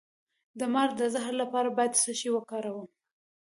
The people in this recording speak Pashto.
د مار د زهر لپاره باید څه شی وکاروم؟